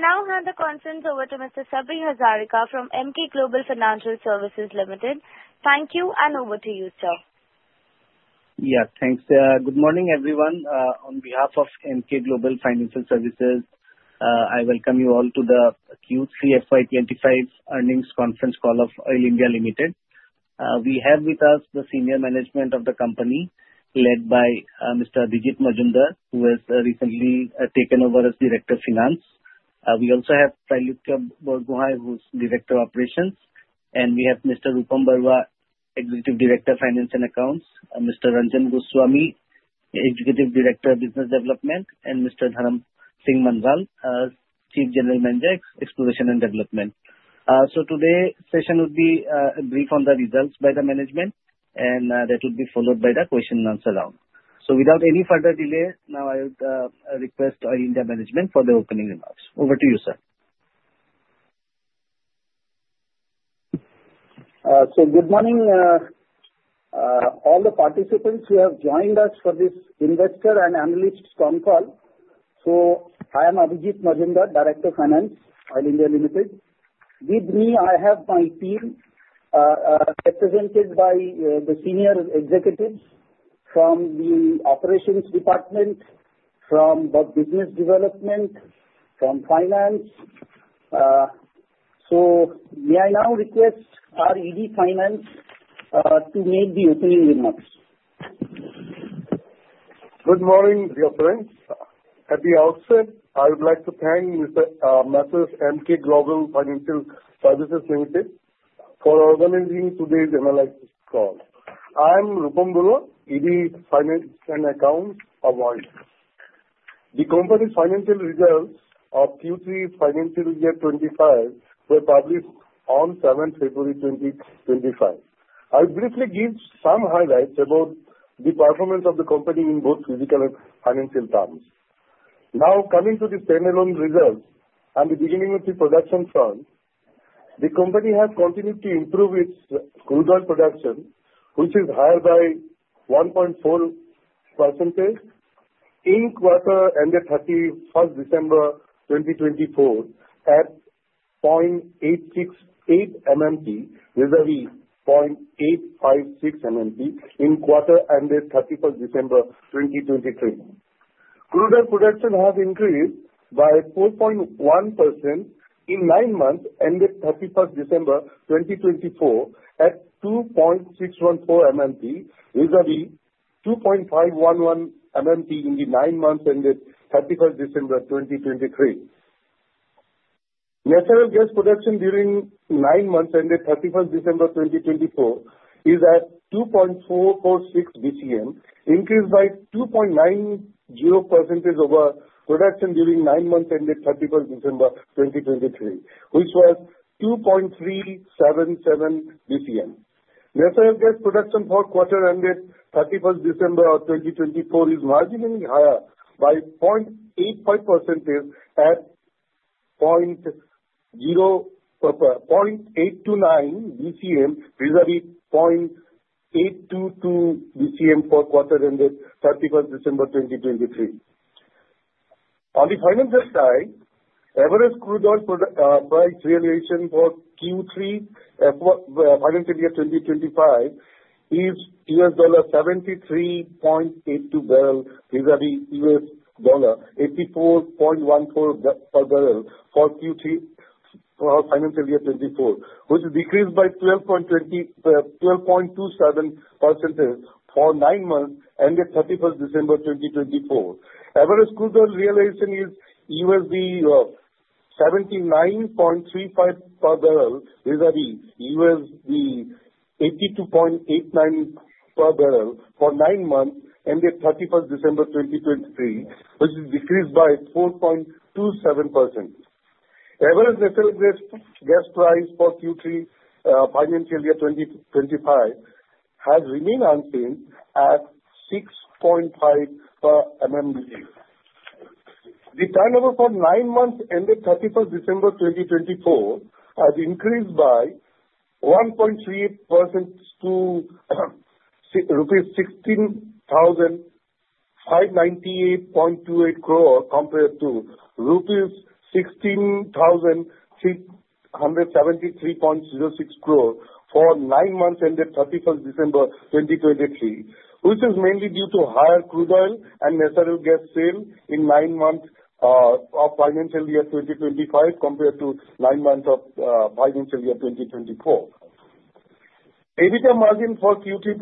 I'll hand the conference over to Mr. Sabri Hazarika from Emkay Global Financial Services Limited. Thank you, and over to you, sir. Yes, thanks. Good morning, everyone. On behalf of Emkay Global Financial Services Limited, I welcome you all to the Q3 FY25 earnings conference call of Oil India Limited. We have with us the senior management of the company, led by Mr.Abhijit Majumder, who has recently taken over as Director of Finance. We also have Pankaj Kumar Goswami, who's Director of Operations. And we have Mr. Rupam Barua, Executive Director of Finance and Accounts, Mr. Ranjan Goswami, Executive Director of Business Development, and Mr. Dharam Singh Munjal, Chief General Manager, Exploration and Development. So today's session would be a brief on the results by the management, and that would be followed by the question and answer round. So without any further delay, now I would request Oil India Management for the opening remarks. Over to you, sir. So good morning, all the participants who have joined us for this investor and analysts' phone call. So I am Abhijit Majumder, Director of Finance, Oil India Limited. With me, I have my team, represented by the senior executives from the operations department, from the business development, from finance. So may I now request ED Finance to make the opening remarks? Good morning, dear friends. At the outset, I would like to thank Mr. Sabri Hazarika, Emkay Global Financial Services Limited, for organizing today's analysis call. I am Rupam Barua, Executive Director Finance and Accounts of Oil India Limited. The company's financial results of Q3 Financial Year 25 were published on 7th February 2025. I'll briefly give some highlights about the performance of the company in both physical and financial terms. Now, coming to the standalone results and beginning with the production front, the company has continued to improve its crude oil production, which is higher by 1.4% in quarter-ended 31st December 2024 at 0.868 MMT, vis-à-vis 0.856 MMT in quarter-ended 31st December 2023. Crude oil production has increased by 4.1% in nine months ended 31st December 2024 at 2.614 MMT, vis-à-vis 2.511 MMT in the nine months ended 31st December 2023. Natural gas production during nine months ended 31st December 2024 is at 2.446 BCM, increased by 2.90% over production during nine months ended 31st December 2023, which was 2.377 BCM. Natural gas production for quarter-ended 31st December 2024 is marginally higher by 0.85% at 0.829 BCM, vis-à-vis 0.822 BCM for quarter-ended 31st December 2023. On the financial side, average crude oil price realization for Q3 Financial Year 2025 is $73.82 per barrel, vis-à-vis $84.14 per barrel for Q3 Financial Year 2024, which decreased by 12.27% for nine months ended 31st December 2024. Average crude oil realization is $79.35 per barrel, vis-à-vis $82.89 per barrel for nine months ended 31st December 2023, which decreased by 4.27%. Average natural gas price for Q3 Financial Year 2025 has remained unchanged at 6.5 per MMT. The turnover for nine months ended 31st December 2024 has increased by 1.38% to Rs 16,598.28 crore compared to Rs 16,673.06 crore for nine months ended 31st December 2023, which is mainly due to higher crude oil and natural gas sale in nine months of Financial Year 2025 compared to nine months of Financial Year 2024. EBITDA margin for Q3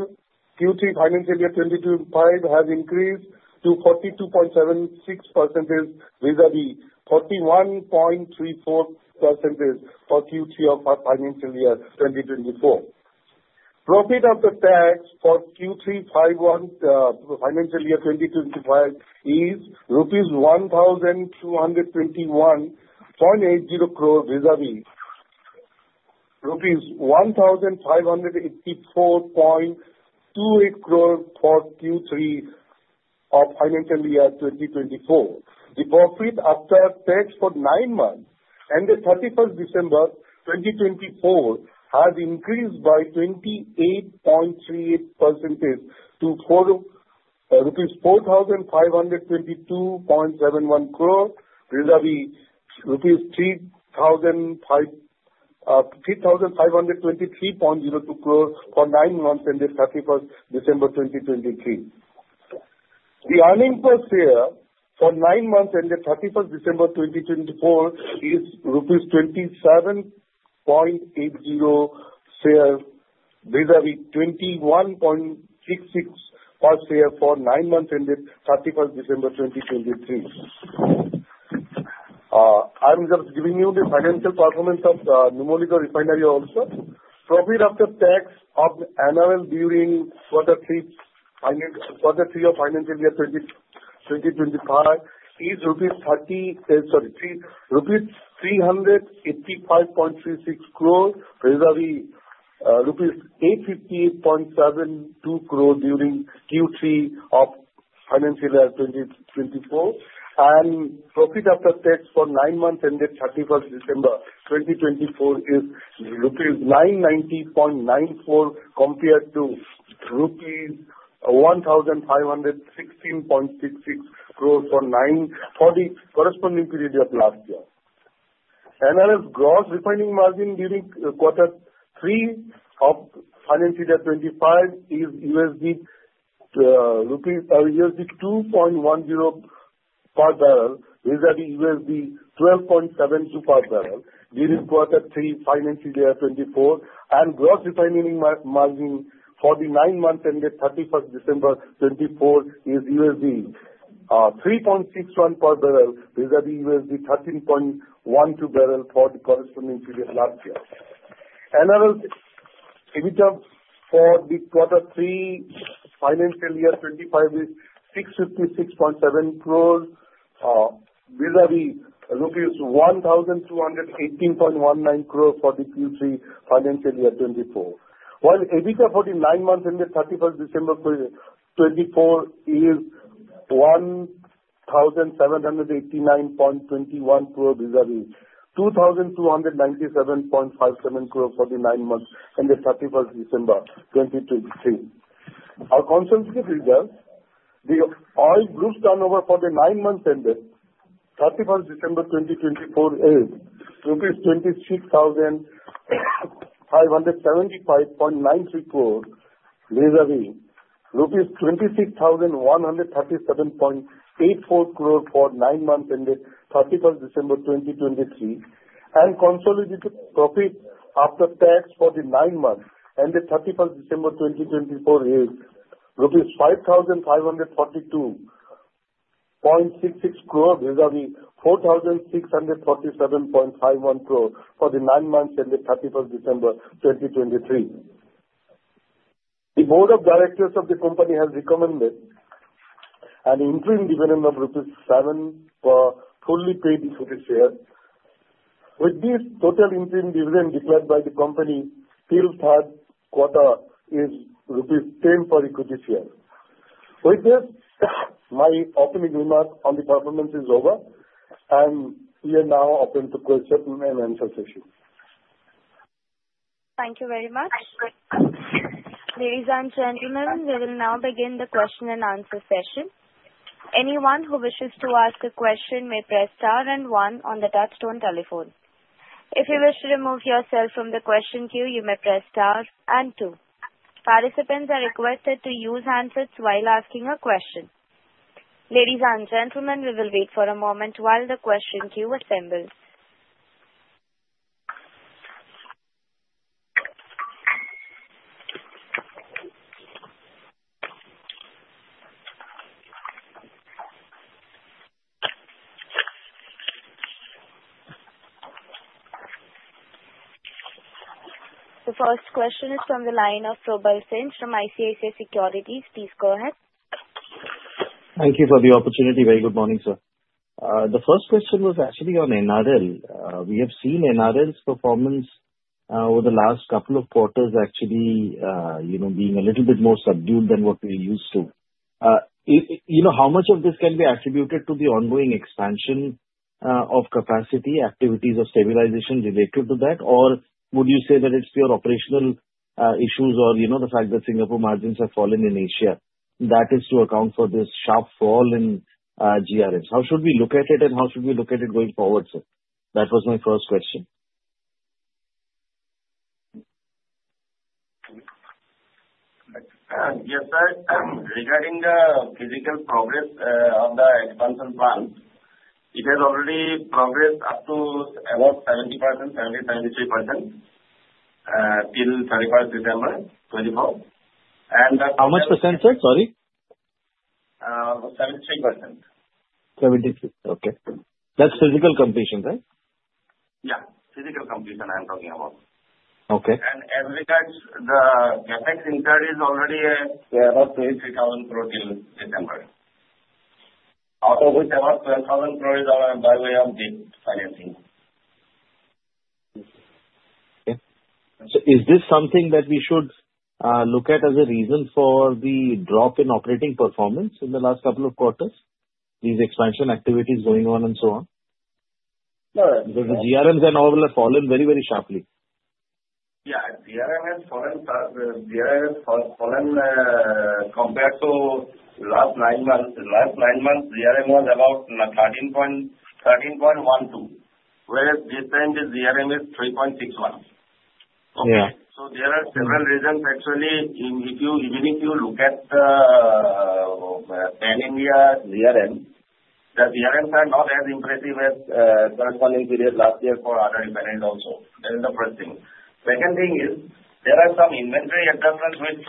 Financial Year 2025 has increased to 42.76%, vis-à-vis 41.34% for Q3 of Financial Year 2024. Profit before tax for Q3 Financial Year 2025 is Rs 1,221.80 crore, vis-à-vis Rs 1,584.28 crore for Q3 of Financial Year 2024. The profit after tax for nine months ended 31st December 2024 has increased by 28.38% to Rs 4,522.71 crore, vis-à-vis Rs 3,523.02 crore for nine months ended 31st December 2023. The earnings per share for nine months ended 31st December 2024 is INR 27.80 per share, vis-à-vis 21.66 per share for nine months ended 31st December 2023. I'm just giving you the financial performance of Numaligarh Refinery also. Profit after tax of NRL during quarter three of Financial Year 2025 is 385.36 crore rupees, vis-à-vis 858.72 crore during Q3 of Financial Year 2024. Profit after tax for nine months ended 31st December 2024 is rupees 990.94 crore compared to rupees 1,516.66 crore for the corresponding period of last year. NRL gross refining margin during quarter three of Financial Year 25 is $2.10 per barrel, vis-à-vis $12.72 per barrel during quarter three Financial Year 24. Gross refining margin for the nine months ended 31st December 2024 is $3.61 per barrel, vis-à-vis $13.12 per barrel for the corresponding period last year. Annual EBITDA for the quarter three Financial Year 2025 is Rs 656.70 crore, vis-à-vis Rs 1,218.19 crore for the Q3 Financial Year 2024. While EBITDA for the nine months ended 31st December 2024 is Rs 1,789.21 crore, vis-à-vis Rs 2,297.57 crore for the nine months ended 31st December 2023. Our consolidated results, the standalone gross turnover for the nine months ended 31st December 2024 is Rs 26,575.93 crore, vis-à-vis Rs 26,137.84 crore for nine months ended 31st December 2023. Consolidated profit after tax for the nine months ended 31st December 2024 is Rs 5,542.66 crore, vis-à-vis Rs 4,647.51 crore for the nine months ended 31st December 2023. The board of directors of the company has recommended an interim dividend of Rs 7 per fully paid equity share. With this total interim dividend declared by the company, till third quarter is Rs 10 per equity share. With this, my opening remarks on the performance is over, and we are now open to question and answer session. Thank you very much. Ladies and gentlemen, we will now begin the question and answer session. Anyone who wishes to ask a question may press star and 1 on the touch-tone telephone. If you wish to remove yourself from the question queue, you may press star and 2. Participants are requested to use handsets while asking a question. Ladies and gentlemen, we will wait for a moment while the question queue assembles. The first question is from the line of Probal Sen from ICICI Securities. Please go ahead. Thank you for the opportunity. Very good morning, sir. The first question was actually on NRL. We have seen NRL's performance over the last couple of quarters actually being a little bit more subdued than what we're used to. How much of this can be attributed to the ongoing expansion of capacity, activities of stabilization related to that? Or would you say that it's pure operational issues or the fact that Singapore margins have fallen in Asia that is to account for this sharp fall in GRMs? How should we look at it, and how should we look at it going forward, sir? That was my first question. Yes, sir. Regarding the physical progress on the expansion plan, it has already progressed up to about 70%, 73% till 31st December 2024. And. How much %, sir? Sorry. 73%. 73. Okay. That's physical completion, right? Yeah. Physical completion I am talking about. Okay. And as regards the CapEx spend, it is already at about 23,000 crore till December, out of which about 12,000 crore is incurred by way of the financing. Okay. So is this something that we should look at as a reason for the drop in operating performance in the last couple of quarters, these expansion activities going on and so on? No. Because the GRMs have all fallen very, very sharply. Yeah. GRM has fallen compared to last nine months. Last nine months, GRM was about 13.12, whereas this time the GRM is 3.61. Okay. So there are several reasons actually. If you look at the Pan India GRM, the GRMs are not as impressive as corresponding period last year for other impediment also. That is the first thing. Second thing is there are some inventory adjustments which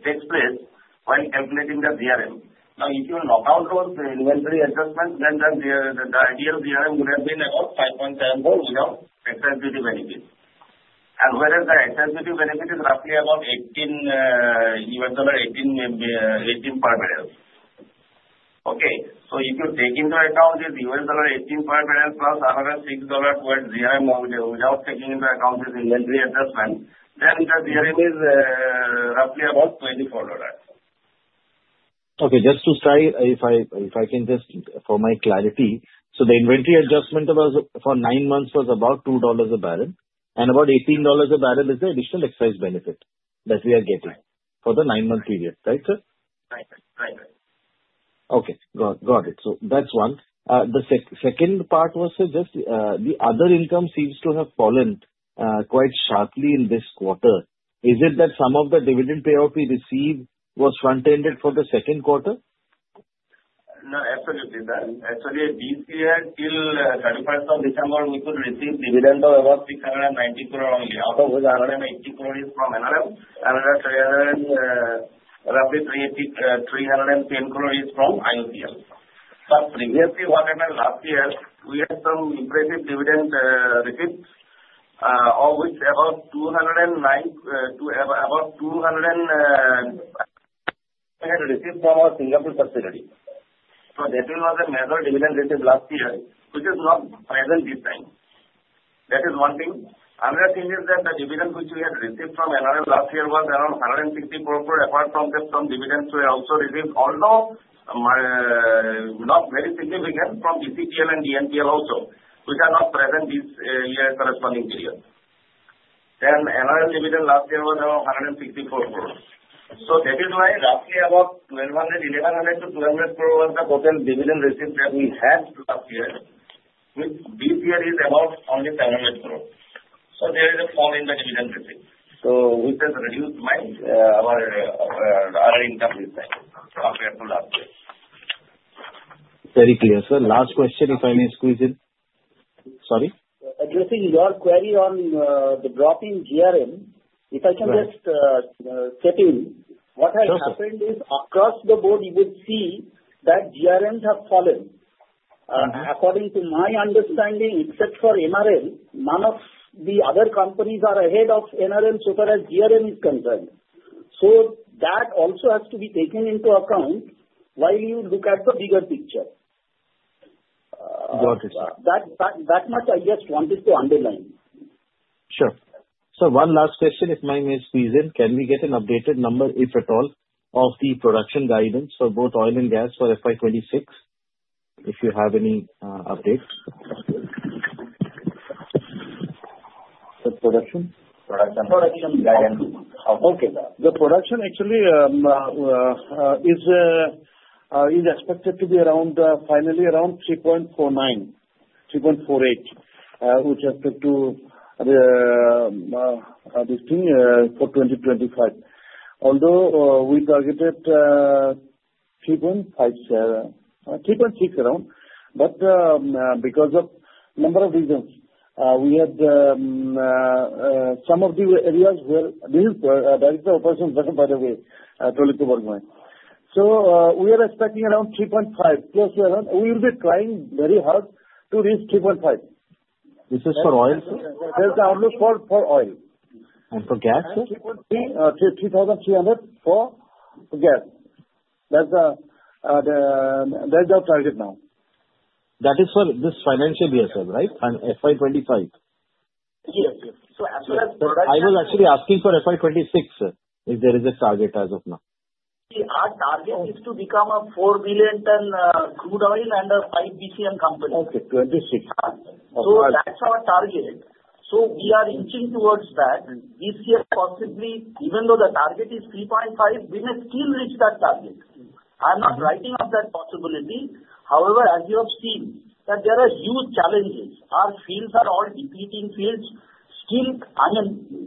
take place while calculating the GRM. Now, if you knock out those inventory adjustments, then the ideal GRM would have been about $5.74 without extra equity benefit. And whereas the extra equity benefit is roughly about $18 per barrel. Okay. So if you take into account this $18 per barrel plus another $6 per GRM without taking into account this inventory adjustment, then the GRM is roughly about $24. Okay. Just to check, if I can just for my clarity, so the inventory adjustment for nine months was about $2 a barrel, and about $18 a barrel is the additional excise benefit that we are getting for the nine-month period, right, sir? Right. Right. Okay. Got it. So that's one. The second part was just the other income seems to have fallen quite sharply in this quarter. Is it that some of the dividend payout we received was front-ended for the second quarter? No. Absolutely. Actually, this year, till 31st of December, we could receive dividend of about 390 crore only. Out of which 180 crore is from NRL. Another INR 310 crore is from IOCL. But previously, what happened last year, we had some impressive dividend receipts, of which about 209 to about 200 we had received from our Singapore subsidiary. So that was a major dividend receipt last year, which is not present this time. That is one thing. Another thing is that the dividend which we had received from NRL last year was around 160 crore apart from the dividends we also received, although not very significant from BCPL and DNPL also, which are not present this year's corresponding period. Then NRL dividend last year was around 160 crore. So that is why roughly about 1,200, 1,100-1,200 crore was the total dividend receipt that we had last year, which this year is about only 700 crore. So there is a fall in the dividend receipt, which has reduced our income this time compared to last year. Very clear, sir. Last question, if I may squeeze in. Sorry. Addressing your query on the drop in GRM, if I can just step in, what has happened is across the board, you would see that GRMs have fallen. According to my understanding, except for MRPL, none of the other companies are ahead of NRL so far as GRM is concerned. So that also has to be taken into account while you look at the bigger picture. Got it, sir. That much I just wanted to underline. Sure. So one last question, if I may squeeze in, can we get an updated number, if at all, of the production guidance for both oil and gas for FY26? If you have any updates. The production? Production. Production. Production. Okay. The production actually is expected to be finally around 3.49, 3.48, which is up to this thing for 2025. Although we targeted 3.6 around, but because of a number of reasons, we had some of the areas where these are the operations by the way, I told you about going. So we are expecting around 3.5, plus we will be trying very hard to reach 3.5. This is for oil, sir? That's the outlook for oil. For gas, sir? 3,300 for gas. That's our target now. That is for this financial year, right? FY25? Yes. Yes. So I was actually asking for FY26, sir, if there is a target as of now. Our target is to become a 4 billion ton crude oil and a 5 BCM company. Okay. 26. So that's our target. So we are inching towards that. This year, possibly, even though the target is 3.5, we may still reach that target. I'm not writing off that possibility. However, as you have seen, there are huge challenges. Our fields are all depleting fields. Still, I mean,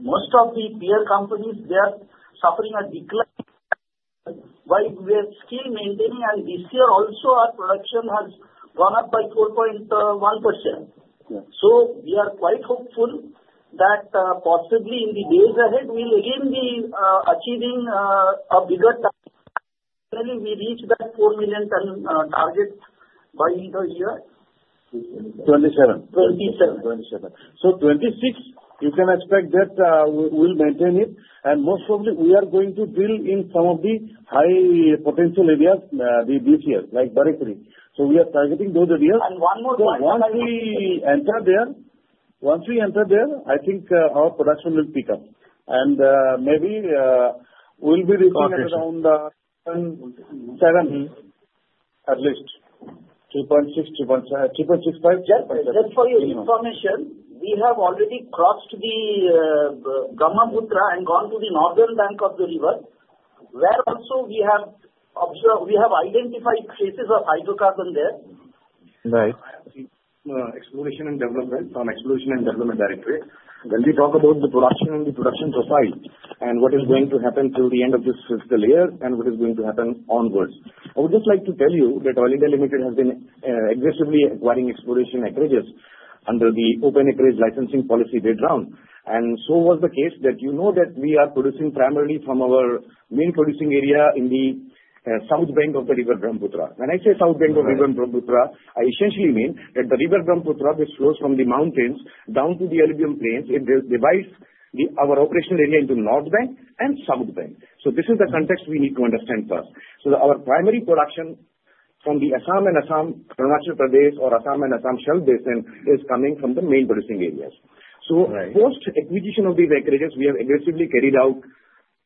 most of the peer companies, they are suffering a decline while we are still maintaining. And this year also, our production has gone up by 4.1%. So we are quite hopeful that possibly in the days ahead, we'll again be achieving a bigger target. Finally, we reach that 4 million ton target by the year. 27. 27. So, 26, you can expect that we'll maintain it. And most probably, we are going to drill in some of the high potential areas this year, like Barekuri. So we are targeting those areas. One more point. Once we enter there, I think our production will pick up. Maybe we'll be reaching around 7 at least, 3.6, 3.65. Just for your information, we have already crossed the Brahmaputra and gone to the northern bank of the river, where also we have identified traces of hydrocarbon there. Right. Exploration and development from Exploration and Development Directorate. When we talk about the production and the production profile and what is going to happen till the end of this fiscal year and what is going to happen onwards, I would just like to tell you that Oil India Limited has been aggressively acquiring exploration acreages under the Open Acreage Licensing Policy bid round, and so was the case that you know that we are producing primarily from our main producing area in the South Bank of the Brahmaputra River. When I say South Bank of the Brahmaputra River, I essentially mean that the Brahmaputra River which flows from the mountains down to the alluvial plains, it divides our operational area into North Bank and South Bank, so this is the context we need to understand first. So our primary production from the Assam and Arunachal Pradesh or Assam and Assam Shelf Basin is coming from the main producing areas. So post-acquisition of these acreages, we have aggressively carried out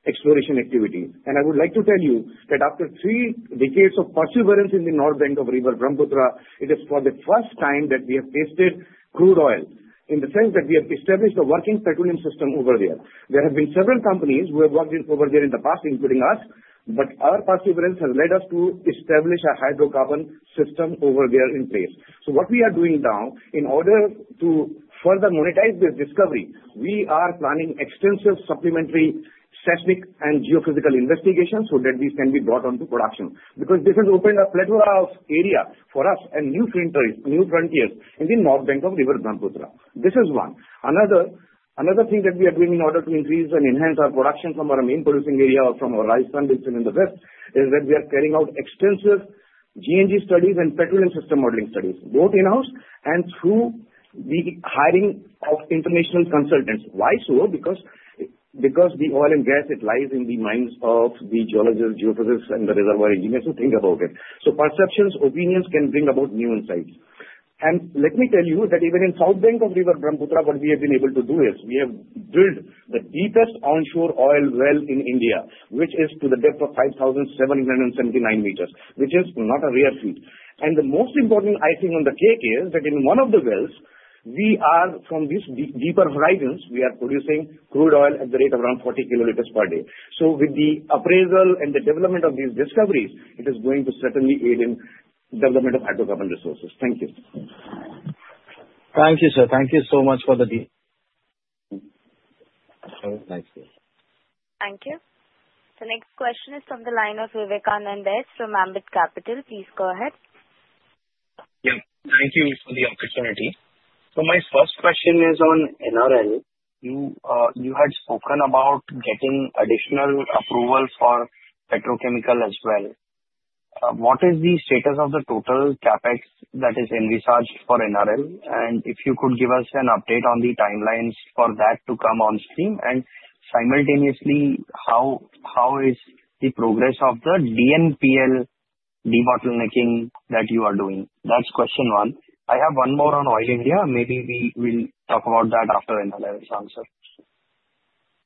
exploration activity. And I would like to tell you that after three decades of perseverance in the north bank of river Brahmaputra, it is for the first time that we have tasted crude oil in the sense that we have established a working petroleum system over there. There have been several companies who have worked over there in the past, including us, but our perseverance has led us to establish a hydrocarbon system over there in place. So what we are doing now, in order to further monetize this discovery, we are planning extensive supplementary seismic and geophysical investigations so that these can be brought onto production. Because this has opened a plethora of area for us and new frontiers in the north bank of river Brahmaputra. This is one. Another thing that we are doing in order to increase and enhance our production from our main producing area or from our rice bowl in the west is that we are carrying out extensive G&G studies and petroleum system modeling studies, both in-house and through the hiring of international consultants. Why so? Because the oil and gas, it lies in the minds of the geologists, geophysicists, and the reservoir engineers who think about it. So perceptions, opinions can bring about new insights. And let me tell you that even in south bank of river Brahmaputra, what we have been able to do is we have drilled the deepest onshore oil well in India, which is to the depth of 5,779 meters, which is not a rare feat. And the most important, I think, on the cake is that in one of the wells, from these deeper horizons, we are producing crude oil at the rate of around 40 kiloliters per day. So with the appraisal and the development of these discoveries, it is going to certainly aid in development of hydrocarbon resources. Thank you. Thank you, sir. Thank you so much for the deal. Thank you. Thank you. The next question is from the line of Vivekanand from Ambit Capital. Please go ahead. Yeah. Thank you for the opportunity. So my first question is on NRL. You had spoken about getting additional approval for petrochemical as well. What is the status of the total CAPEX that is envisaged for NRL? And if you could give us an update on the timelines for that to come on stream and simultaneously, how is the progress of the DNPL debottlenecking that you are doing? That's question one. I have one more on Oil India. Maybe we will talk about that after NRL's answer.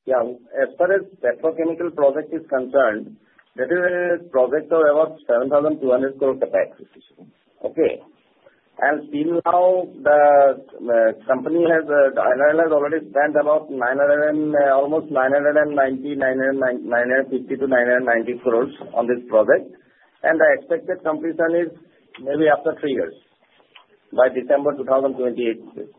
Yeah. As far as petrochemical project is concerned, that is a project of about 7,200 crore capacity. Okay. And still now, the company, NRL has already spent about almost 950-990 crore on this project. And the expected completion is maybe after three years, by December 2028.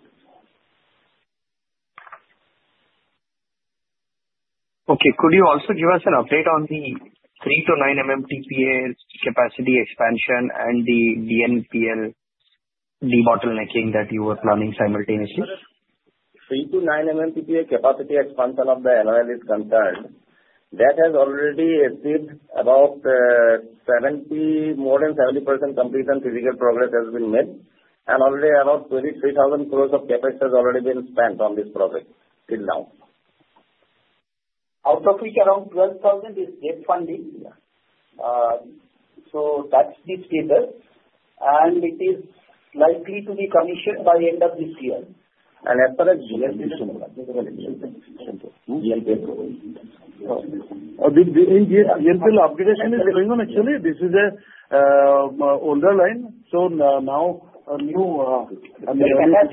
Okay. Could you also give us an update on the 3-9 MMTPA capacity expansion and the DNPL debottlenecking that you were planning simultaneously? 3 to 9 MMTPA capacity expansion of the NRL is concerned. That has already achieved about more than 70% complete, and physical progress has been made. Already about 23,000 crore of CAPEX has already been spent on this project till now. Out of which around 12,000 crore is debt funding. That's the status. It is likely to be commissioned by the end of this year. As far as GNPL upgrade is going on, actually, this is an older line. Now a new capacity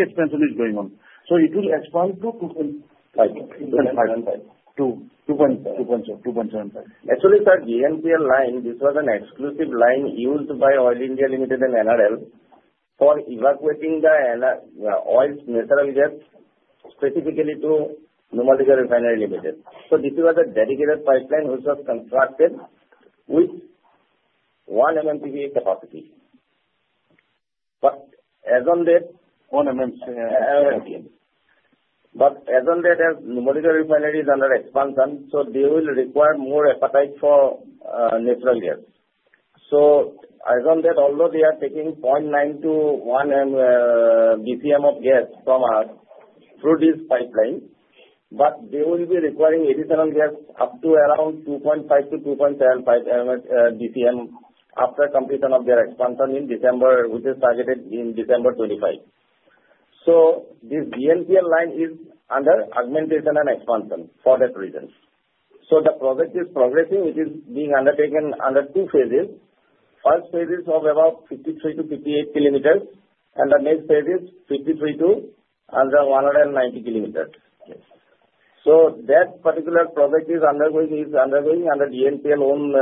expansion is going on. It will expand to 2.5. 2.5. Actually, sir, DNPL line, this was an exclusive line used by Oil India Limited and NRL for evacuating the crude oil and natural gas specifically to Numaligarh Refinery Limited. So this was a dedicated pipeline which was constructed with 1 MMTPA capacity. But as on that. 1 MMTPA? But as on that, as Numaligarh Refinery is under expansion, so they will require more appetite for natural gas. So as on that, although they are taking 0.9-1 BCM of gas from us through this pipeline, but they will be requiring additional gas up to around 2.5-2.75 BCM after completion of their expansion in December, which is targeted in December 2025. This DNPL line is under augmentation and expansion for that reason. The project is progressing. It is being undertaken under two phases. First phase is of about 53-58 kilometers. The next phase is 53 to under 190 kilometers. That particular project is undergoing under DNPL own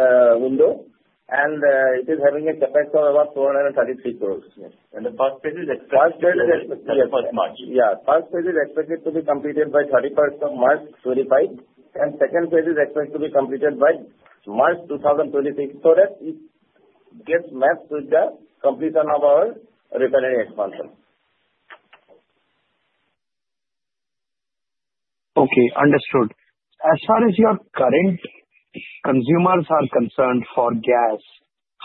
window. It is having a CAPEX of about 433 crore. The first phase is expected. First phase is expected. In March? Yeah. First phase is expected to be completed by 31st of March 2025. And second phase is expected to be completed by March 2026. So that gets matched with the completion of our refinery expansion. Okay. Understood. As far as your current consumers are concerned for gas,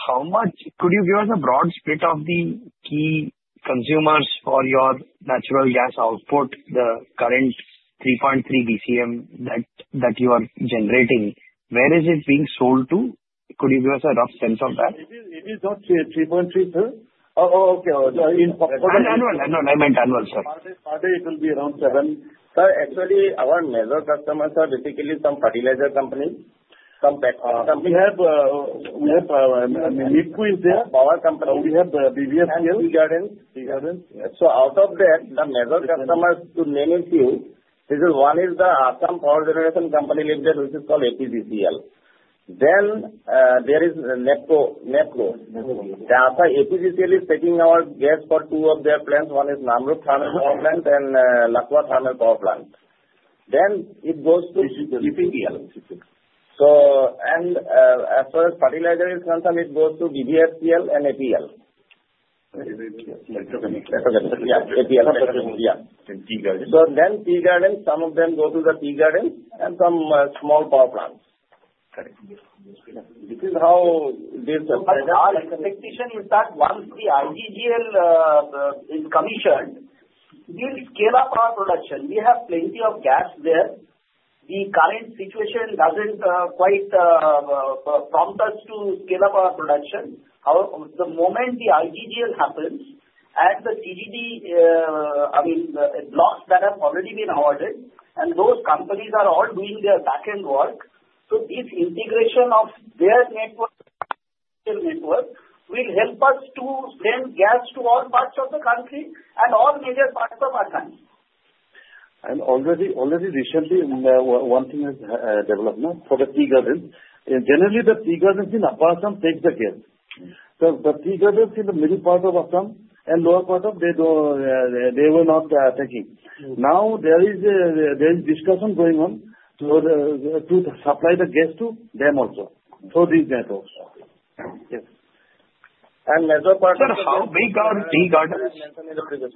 how much could you give us a broad split of the key consumers for your natural gas output, the current 3.3 BCM that you are generating? Where is it being sold to? Could you give us a rough sense of that? It is up to 3.3. Annual. Annual. Annual. I meant annual, sir. Per day, it will be around 7. Sir, actually, our major customers are basically some fertilizer companies, some petro companies. We have NEEPCO, power company. We have BVFCL. Teagardens. Teagardens. So out of that, the major customers, to name a few, one is the Assam Power Generation Company Limited, which is called APGCL. Then there is NEEPCO. APGCL is taking our gas for two of their plants. One is Namrup Thermal Power Plant and Lakwa Thermal Power Plant. Then it goes to. BCPL? As far as fertilizer is concerned, it goes to BVFCL and APL. APL? Yeah. APL. APL? Yeah. Seagarden. Tea Gardens, some of them go to the Tea Gardens and some small power plants. Correct. This is how this. but our expectation is that once the IGGL is commissioned, we'll scale up our production. We have plenty of gas there. The current situation doesn't quite prompt us to scale up our production. The moment the IGGL happens and the CGD, I mean, blocks that have already been awarded, and those companies are all doing their backend work, so this integration of their network will help us to send gas to all parts of the country and all major parts of Assam. And already recently, one thing has developed for the tea gardens. Generally, the tea gardens in Upper Assam takes the gas. The tea gardens in the middle part of Assam and lower part of, they were not taking. Now there is discussion going on to supply the gas to them also. So these networks. Measure part of. Seagarden. Seagarden.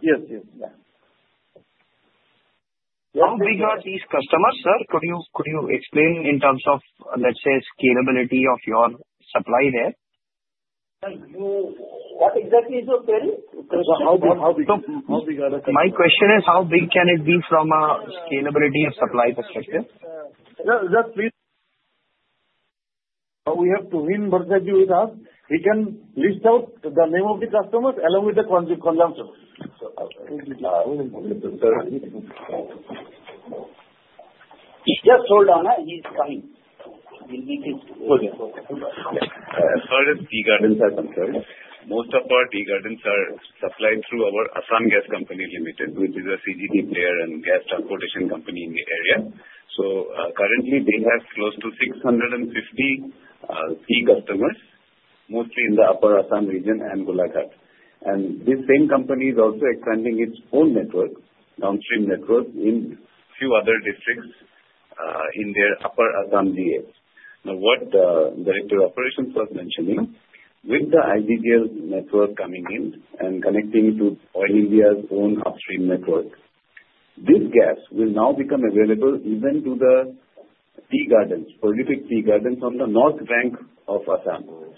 Yes. Yes. How big are these customers, sir? Could you explain in terms of, let's say, scalability of your supply there? What exactly is your query? My question is, how big can it be from a scalability of supply perspective? Just. We have to win perspective with us. We can list out the name of the customers along with the consumption. Just hold on. He is coming. He'll meet his. As far as Tea Gardens are concerned, most of our Tea Gardens are supplied through our Assam Gas Company Limited, which is a CGD player and gas transportation company in the area. So currently, they have close to 650 key customers, mostly in the Upper Assam region and Golaghat. And this same company is also expanding its own network, downstream network, in a few other districts in their Upper Assam area. Now, what the Director of Operations was mentioning, with the IGGL network coming in and connecting to Oil India's own upstream network, this gas will now become available even to the Tea Gardens, prolific Tea Gardens on the North Bank, specifically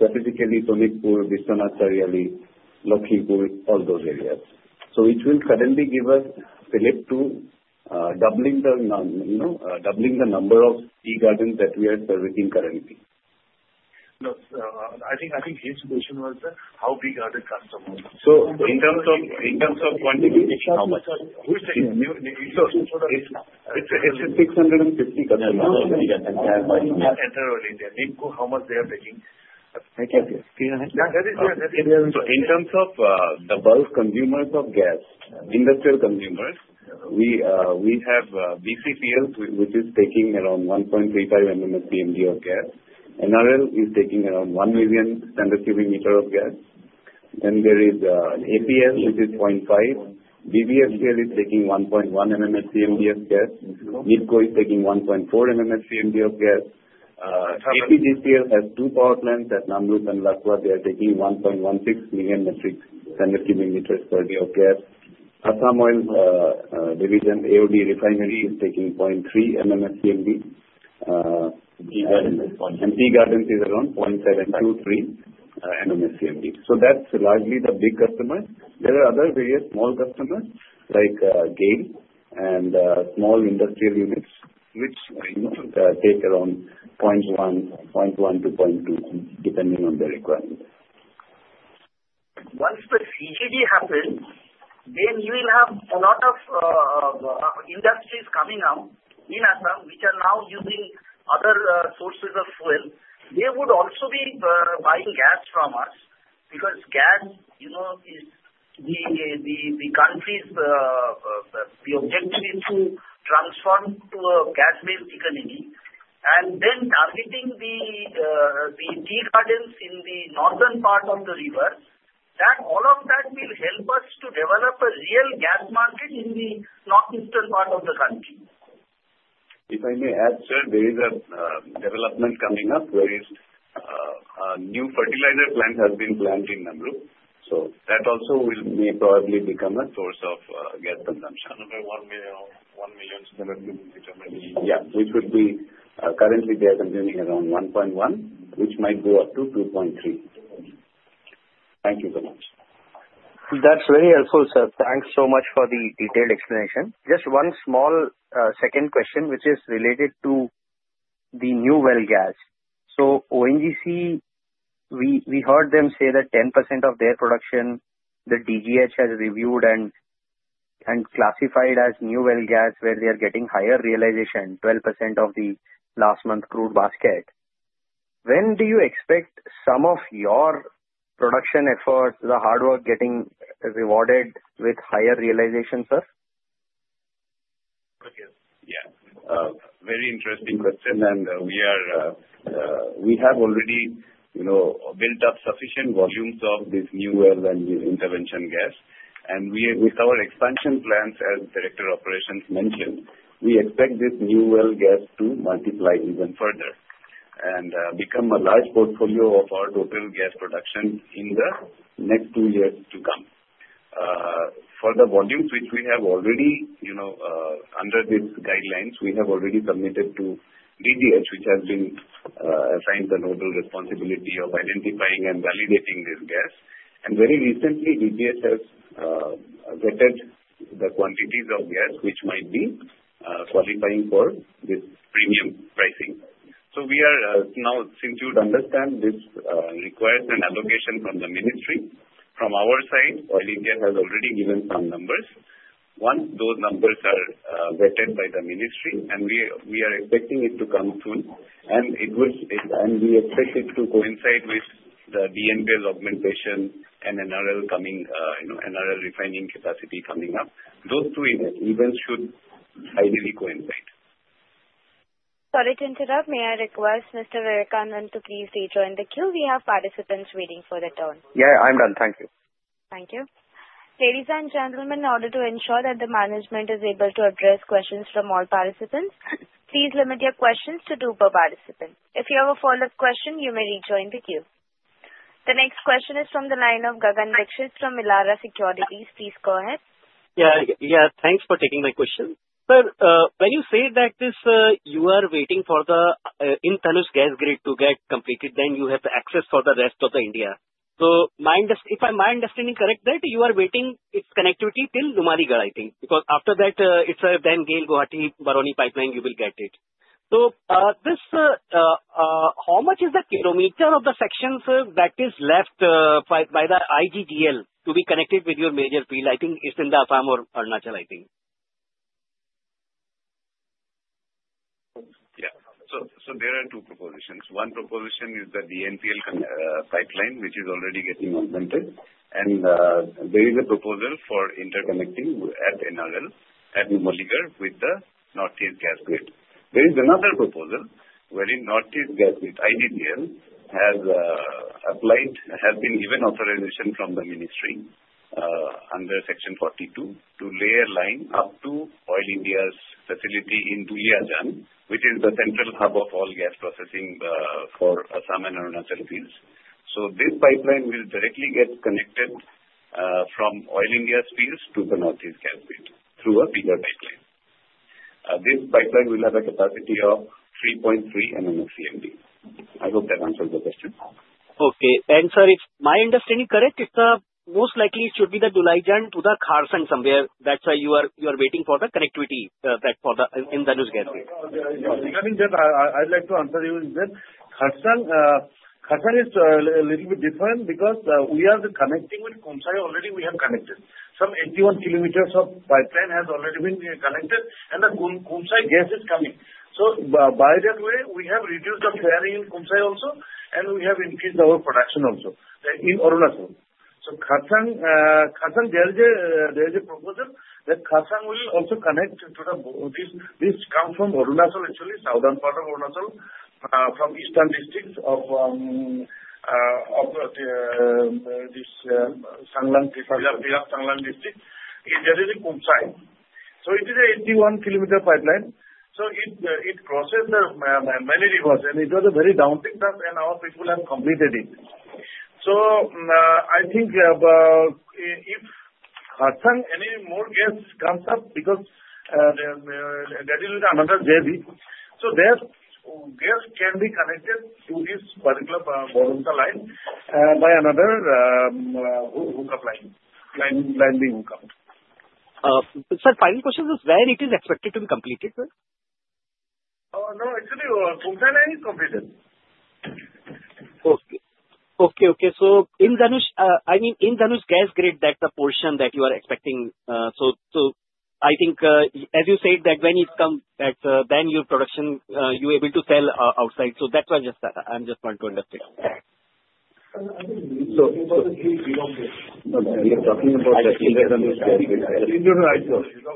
Sonitpur, Biswanath Chariali, Lakhimpur, all those areas. So it will suddenly give us scope to doubling the number of Tea Gardens that we are servicing currently. I think his question was, how big are the customers? So in terms of quantity, how much? Who is taking? It's 650 customers that we can have by. Enter Oil India. NEEPCO, how much they are taking? Okay. So in terms of the bulk consumers of gas, industrial consumers, we have BCPL, which is taking around 1.35 MMSCMD of gas. NRL is taking around 1 million standard cubic meter of gas. Then there is APL, which is 0.5. BVFCL is taking 1.1 MMSCMD of gas. NEEPCO is taking 1.4 MMSCMD of gas. APGCL has two power plants at Namrup and Lakwa. They are taking 1.16 million metric standard cubic meters per day of gas. Assam Oil Division, AOD Refinery, is taking 0.3 MMSCMD. And Tea Gardens is around 0.723 MMSCMD. So that's largely the big customers. There are other various small customers like GAIL and small industrial units, which take around 0.1 to 0.2, depending on their requirements. Once the CGD happens, then you will have a lot of industries coming out in Assam, which are now using other sources of oil. They would also be buying gas from us because gas is the country's objective is to transform to a gas-based economy. And then targeting the Tea Gardens in the northern part of the river, that all of that will help us to develop a real gas market in the northeastern part of the country. If I may add, sir, there is a development coming up where a new fertilizer plant has been planned in Namrup. So that also will probably become a source of gas consumption. Another one million standard cubic meters maybe. Yeah. Which would be currently, they are consuming around 1.1, which might go up to 2.3. Thank you so much. That's very helpful, sir. Thanks so much for the detailed explanation. Just one small second question, which is related to the new well gas. So ONGC, we heard them say that 10% of their production, the DGH has reviewed and classified as new well gas where they are getting higher realization, 12% of the last month's crude basket. When do you expect some of your production efforts, the hard work getting rewarded with higher realization, sir? Okay. Yeah. Very interesting question, and we have already built up sufficient volumes of this new well and intervention gas. And with our expansion plans, as Director of Operations mentioned, we expect this new well gas to multiply even further and become a large portfolio of our total gas production in the next two years to come. For the volumes which we have already under these guidelines, we have already submitted to DGH, which has been assigned the noble responsibility of identifying and validating this gas. And very recently, DGH has vetted the quantities of gas which might be qualifying for this premium pricing, so now, since you'd understand, this requires an allocation from the ministry. From our side, Oil India has already given some numbers. Once those numbers are vetted by the ministry, and we are expecting it to come soon, and we expect it to coincide with the DNPL augmentation and NRL coming, NRL refining capacity coming up, those two events should ideally coincide. Sorry to interrupt. May I request Mr. Venkatan to please rejoin the queue? We have participants waiting for their turn. Yeah. I'm done. Thank you. Thank you. Ladies and gentlemen, in order to ensure that the management is able to address questions from all participants, please limit your questions to two per participant. If you have a follow-up question, you may rejoin the queue. The next question is from the line of Gagan Dixit from Elara Securities. Please go ahead. Yeah. Yeah. Thanks for taking my question. Sir, when you say that you are waiting for the Indradhanush gas grid to get completed, then you have access for the rest of the India. So if I'm understanding correct, that you are waiting its connectivity till Numaligarh, I think, because after that, it's a then GAIL-Guwahati-Barauni pipeline, you will get it. So how much is the kilometer of the section, sir, that is left by the IGGL to be connected with your major field? I think it's in the Assam or Arunachal, I think. Yeah. So there are two propositions. One proposition is the DNPL pipeline, which is already getting augmented. And there is a proposal for interconnecting at NRL, at Numaligarh with the Northeast Gas Grid. There is another proposal wherein Northeast Gas Grid, IGGL, has been given authorization from the ministry under Section 42 to lay a line up to Oil India's facility in Duliajan, which is the central hub of all gas processing for Assam and Arunachal fields. So this pipeline will directly get connected from Oil India's fields to the Northeast Gas Grid through a bigger pipeline. This pipeline will have a capacity of 3.3 MMSCMD. I hope that answers the question. Okay. And sir, if my understanding correct, it's most likely it should be the Duliajan to the Kharsang somewhere. That's why you are waiting for the connectivity in the Northeast Gas Grid. Yeah. I mean, I'd like to answer you is that Kharsang is a little bit different because we are connecting with Kumchai. Already, we have connected. Some 81 kilometers of pipeline has already been connected, and the Kumchai gas is coming. So by that way, we have reduced the flaring in Kumchai also, and we have increased our production also in Arunachal. So Kharsang, there is a proposal that Kharsang will also connect to the this comes from Arunachal, actually, southern part of Arunachal, from eastern districts of this Changlang district. There is a Kumchai. So it is an 81-kilometer pipeline. So it crosses many rivers, and it was a very daunting task, and our people have completed it. So I think if Kharsang any more gas comes up because that is with another JB. So that gas can be connected to this particular pipeline by another hookup line, line being hooked up. Sir, final question is, when it is expected to be completed, sir? Oh, no. Actually, Kumchai line is completed. Okay. So in Indradhanush, I mean, in Indradhanush gas grid, that's the portion that you are expecting. So I think, as you said, that when it comes, then your production, you are able to sell outside. So that's why I just want to understand. So you're talking about the Indradhanush gas grid?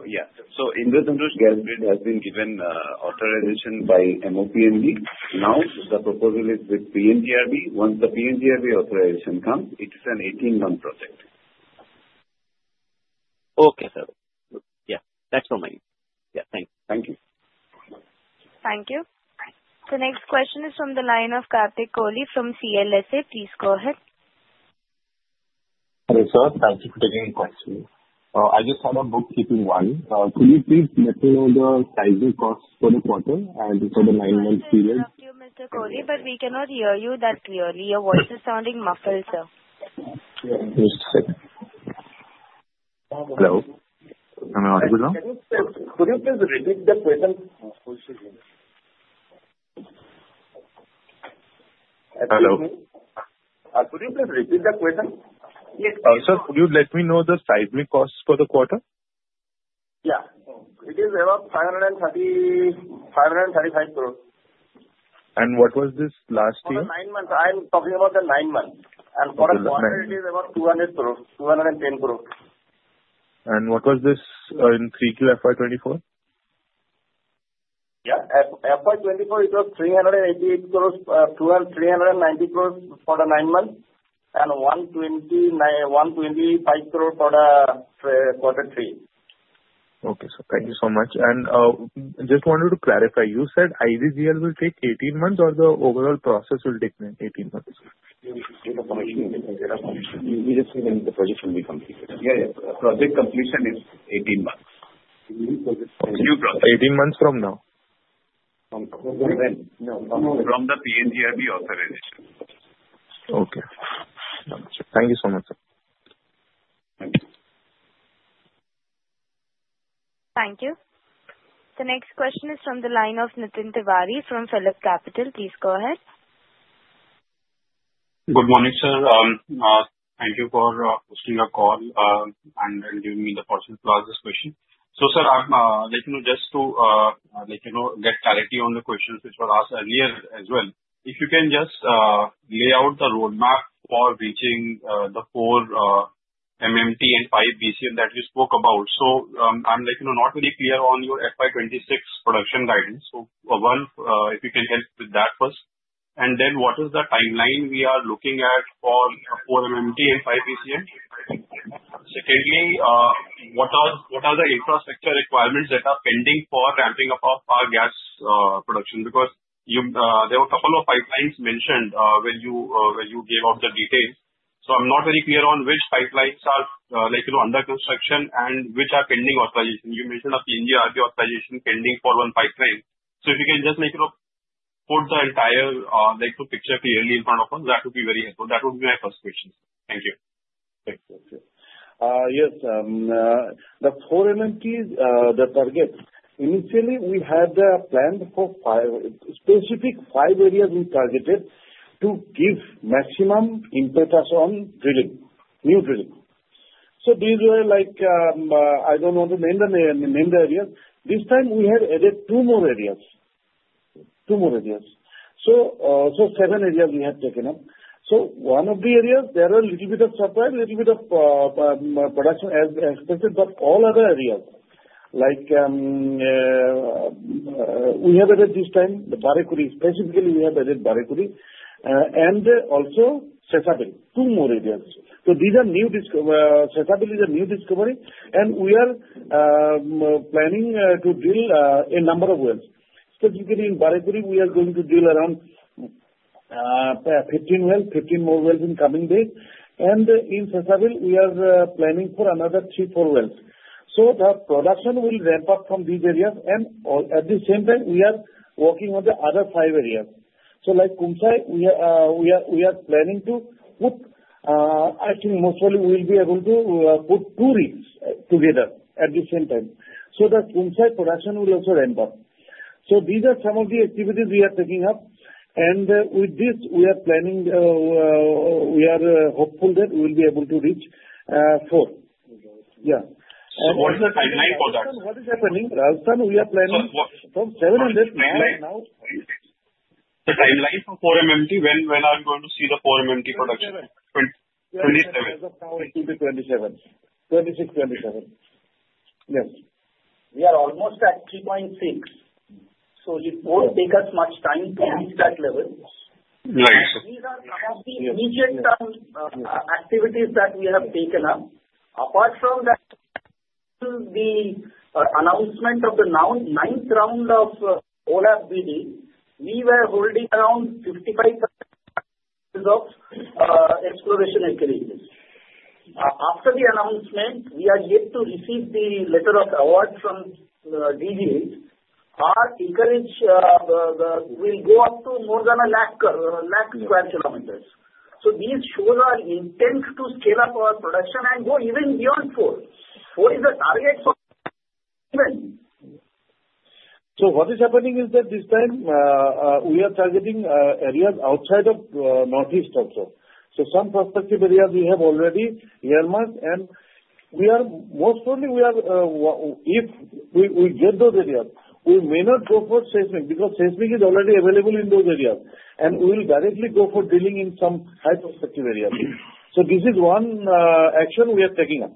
Yeah. So Indradhanush Gas Grid has been given authorization by MoPNG. Now, the proposal is with PNGRB. Once the PNGRB authorization comes, it is an 18-month project. Okay, sir. Yeah. That's from me. Yeah. Thanks. Thank you. Thank you. The next question is from the line of Karthik Kohli from CLSA. Please go ahead. Hello, sir. Thank you for taking the call. I just had a bookkeeping one. Could you please let me know the capex for the quarter and for the nine-month period? Thank you, Mr. Kohli, but we cannot hear you that clearly. Your voice is sounding muffled, sir. Just a second. Hello? I'm audible now. Could you please repeat the question? Hello? Could you please repeat the question? Yes. Sir, could you let me know the sizing cost for the quarter? Yeah. It is about 535 crores. What was this last year? Nine months. I'm talking about the nine months, and for the quarter, it is about 200 crores, 210 crores. What was this in 3Q FY24? Yeah. FY24, it was INR 388 crores, INR 390 crores for the nine months, and INR 125 crores for the quarter three. Okay. So thank you so much. And just wanted to clarify, you said IGGL will take 18 months or the overall process will take 18 months? We just said when the project will be completed. Yeah. Yeah. Project completion is 18 months. 18 months from now? From when? No. From the PNGRB authorization. Okay. Thank you so much, sir. Thank you. Thank you. The next question is from the line of Nitin Tiwari from PhillipCapital. Please go ahead. Good morning, sir. Thank you for hosting your call and giving me the possibility to ask this question. So sir, I'd like to know just to get clarity on the questions which were asked earlier as well. If you can just lay out the roadmap for reaching the 4 MMT and 5 BCM that you spoke about. So I'm not very clear on your FY26 production guidance. So one, if you can help with that first. And then what is the timeline we are looking at for 4 MMT and 5 BCM? Secondly, what are the infrastructure requirements that are pending for ramping up our gas production? Because there were a couple of pipelines mentioned when you gave out the details. So I'm not very clear on which pipelines are under construction and which are pending authorization. You mentioned a PNGRB authorization pending for one pipeline. So if you can just put the entire picture clearly in front of us, that would be very helpful. That would be my first question. Thank you. Thank you. Yes. The 4 MMTs, the target, initially, we had planned for specific five areas we targeted to give maximum impetus on new drilling. So these were like I don't want to name the areas. This time, we have added two more areas. Two more areas. So seven areas we have taken up. So one of the areas, there are a little bit of surprise, a little bit of production as expected, but all other areas, like we have added this time, the Barekuri. Specifically, we have added Barekuri. And also Sessa, two more areas. So these are new. Sessa is a new discovery. And we are planning to drill a number of wells. Specifically in Barekuri, we are going to drill around 15 wells, 15 more wells in coming days. And in Sessa, we are planning for another three, four wells. So the production will ramp up from these areas. And at the same time, we are working on the other five areas. So like Kumchai, we are planning to put, I think most probably we will be able to put two rigs together at the same time. So that Kumchai production will also ramp up. So these are some of the activities we are taking up. And with this, we are planning we are hopeful that we will be able to reach four. Yeah. So what is the timeline for that? What is happening? From 700 to now. The timeline for 4 MMT, when are we going to see the 4 MMT production? 27. 2026 to 2027. 26, 27. Yes. We are almost at 3.6. So it won't take us much time to reach that level. Right. These are some of the immediate activities that we have taken up. Apart from that, the announcement of the ninth round of OALP, we were holding around 55% of exploration acreage. After the announcement, we are yet to receive the letter of award from DGH. Our acreage will go up to more than a lakh sq km. So this shows our intent to scale up our production and go even beyond four. Four is the target for. What is happening is that this time, we are targeting areas outside of Northeast also. Some prospective areas we have already earmarked. Most probably, if we get those areas, we may not go for seismic because seismic is already available in those areas. We will directly go for drilling in some high prospective areas. This is one action we are taking up.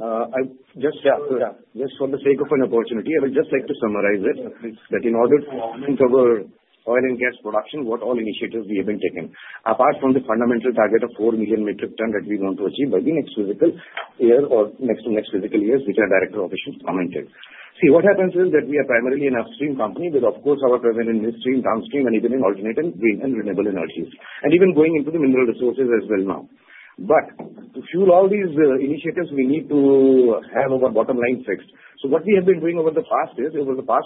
Yeah. Just for the sake of an opportunity, I would just like to summarize it that in order to cover oil and gas production, what all initiatives we have been taken. Apart from the fundamental target of four million metric tons that we want to achieve by the next fiscal year or next fiscal years, which our director of operations commented. See, what happens is that we are primarily an upstream company with, of course, our presence in midstream, downstream, and even in alternative green and renewable energies, and even going into the mineral resources as well now. But to fuel all these initiatives, we need to have our bottom line fixed. So what we have been doing over the past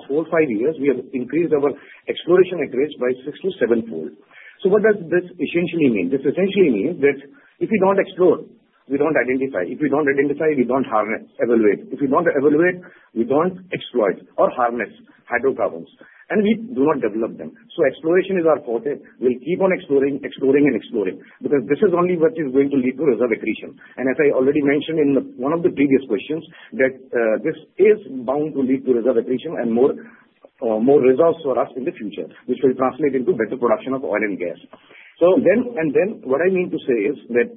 four, five years, we have increased our exploration acreage by six to sevenfold. So what does this essentially mean? This essentially means that if we don't explore, we don't identify. If we don't identify, we don't harness, evaluate. If we don't evaluate, we don't exploit or harness hydrocarbons and we do not develop them, so exploration is our forte. We'll keep on exploring, exploring, and exploring because this is only what is going to lead to reserve accretion and as I already mentioned in one of the previous questions, that this is bound to lead to reserve accretion and more reserves for us in the future, which will translate into better production of oil and gas and then what I mean to say is that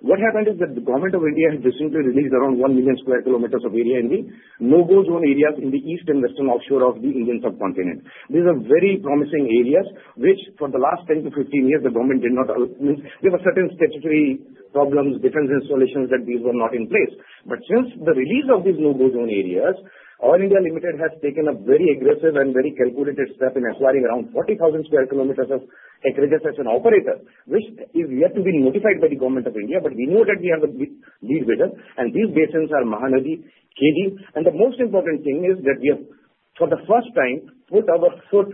what happened is that the government of India has recently released around 1 million sq km of area in the No-Go Zone areas in the east and western offshore of the Indian subcontinent. These are very promising areas, which for the last 10 to 15 years, the government did not mean there were certain statutory problems, defense installations that these were not in place. But since the release of these No-Go Zone areas, Oil India Limited has taken a very aggressive and very calculated step in acquiring around 40,000 sq km of acreages as an operator, which is yet to be notified by the government of India. But we know that we have a lead with them. And these basins are Mahanadi, KG. And the most important thing is that we have, for the first time, put our foot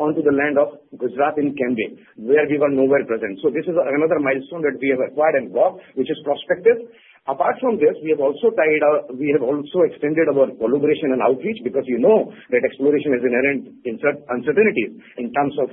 onto the land of Gujarat in Cambay, where we were nowhere present. So this is another milestone that we have acquired and got, which is prospective. Apart from this, we have also extended our collaboration and outreach because you know that exploration is inherent in uncertainties in terms of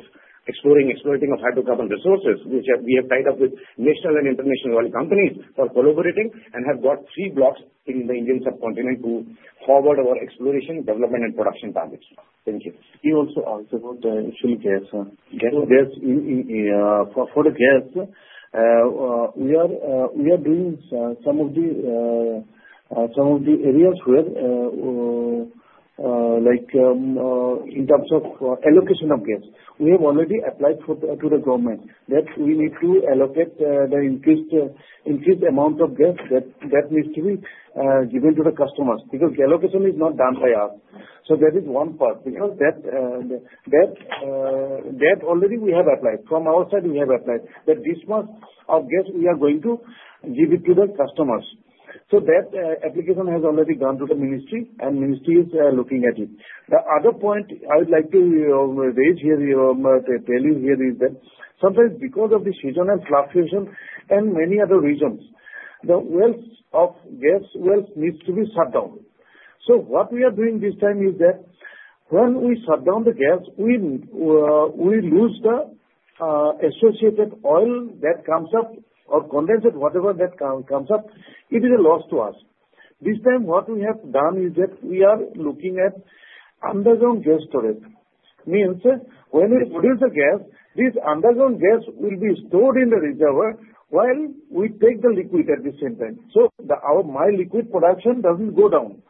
exploring, exploiting of hydrocarbon resources, which we have tied up with national and international oil companies for collaborating and have got three blocks in the Indian subcontinent to forward our exploration, development, and production targets. Thank you. We also want to initially gas for the gas. We are doing some of the areas where, in terms of allocation of gas, we have already applied to the government that we need to allocate the increased amount of gas that needs to be given to the customers because the allocation is not done by us, so that is one part because that already we have applied from our side, we have applied that this much of gas we are going to give it to the customers, so that application has already gone to the ministry, and the ministry is looking at it. The other point I would like to raise here, tell you here is that sometimes because of the seasonal fluctuation and many other reasons, the gas wells needs to be shut down. So what we are doing this time is that when we shut down the gas, we lose the associated oil that comes up or condensate, whatever that comes up. It is a loss to us. This time, what we have done is that we are looking at underground gas storage. Means when we produce the gas, this underground gas will be stored in the reserve while we take the liquid at the same time. So my liquid production doesn't go down.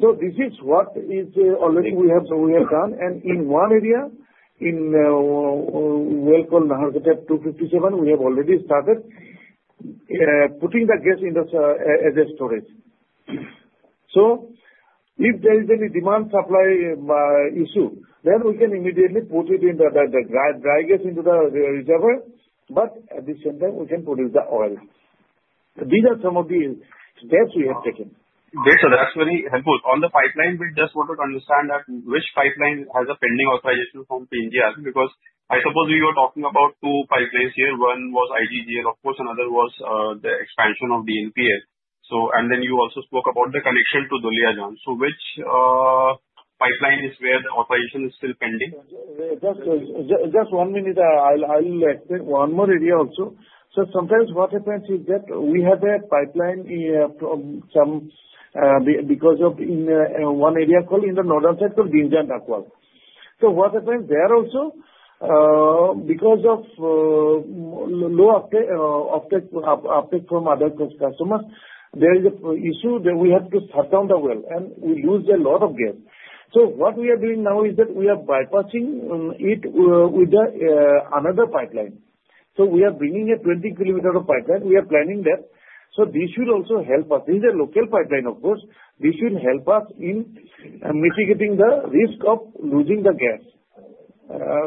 So this is what is already we have done. And in one area, in well called Naharkatia 257, we have already started putting the gas into as a storage. So if there is any demand supply issue, then we can immediately put it in the dry gas into the reservoir. But at the same time, we can produce the oil. These are some of the steps we have taken. Okay. So that's very helpful. On the pipeline, we just wanted to understand that which pipeline has a pending authorization from PNGRB because I suppose we were talking about two pipelines here. One was IGGL, of course, and the other was the expansion of DNPL. And then you also spoke about the connection to Duliajan. So which pipeline is where the authorization is still pending? Just one minute. I'll take one more area also. So sometimes what happens is that we have a pipeline because of one area called in the northern side called North Bank. So what happens there also, because of low uptake from other customers, there is an issue that we have to shut down the well. And we lose a lot of gas. So what we are doing now is that we are bypassing it with another pipeline. So we are bringing a 20 km pipeline. We are planning that. So this should also help us. This is a local pipeline, of course. This should help us in mitigating the risk of losing the gas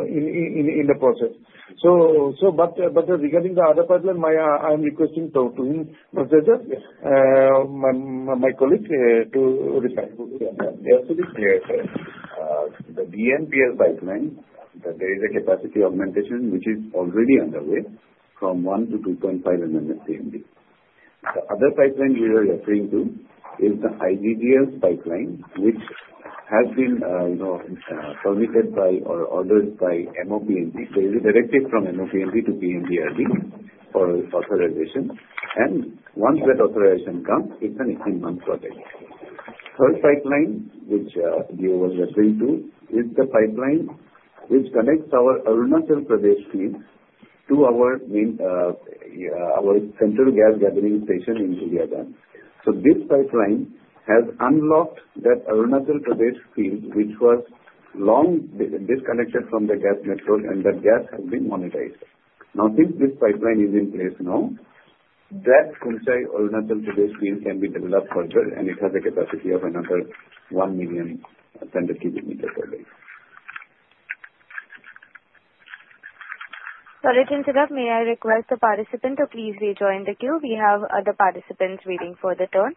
in the process. But regarding the other pipeline, I am requesting to him, my colleague, to reply. Yes. The DNPL pipeline, there is a capacity augmentation which is already underway from one to 2.5 MMSCMD. The other pipeline we are referring to is the IGGL pipeline, which has been permitted by or ordered by MOPND. There is a directive from MOPND to PNGRB for authorization. And once that authorization comes, it's an 18-month project. Third pipeline, which you were referring to, is the pipeline which connects our Arunachal Pradesh field to our central gas gathering station in Duliajan. So this pipeline has unlocked that Arunachal Pradesh field, which was long disconnected from the gas network, and that gas has been monetized. Now, since this pipeline is in place now, that Kumchai Arunachal Pradesh field can be developed further, and it has a capacity of another one million standard cubic meters per day. Sorry to interrupt. May I request the participant to please rejoin the queue? We have other participants waiting for the turn.